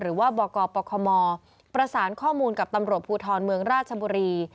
บกปคมประสานข้อมูลกับตำรวจภูทรเมืองราชบุรี